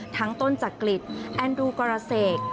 ทั้งต้นจากกฤษแอนดรูกรเซก